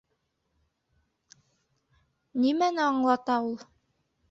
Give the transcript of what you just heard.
Нимәне аңлата ул?